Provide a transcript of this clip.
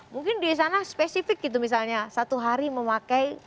mungkin di sana spesifik gitu misalnya satu hari memakai